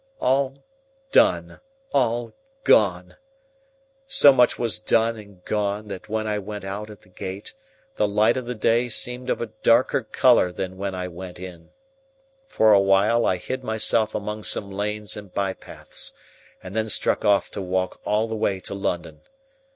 All done, all gone! So much was done and gone, that when I went out at the gate, the light of the day seemed of a darker colour than when I went in. For a while, I hid myself among some lanes and by paths, and then struck off to walk all the way to London.